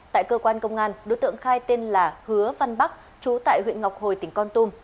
tại cơ quan công an đối tượng khai tên là hứa văn bắc chú tại huyện ngọc hồi tỉnh con tum